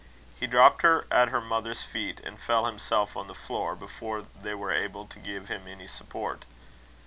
He dropped her at her mother's feet, and fell himself on the floor, before they were able to give him any support.